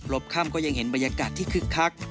ค่ำก็ยังเห็นบรรยากาศที่คึกคัก